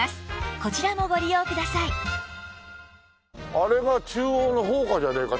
あれが中央の法科じゃねえか？